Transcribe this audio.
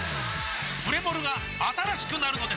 プレモルが新しくなるのです！